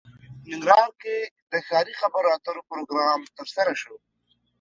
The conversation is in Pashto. ننګرهار کې د ښاري خبرو اترو پروګرام ترسره شو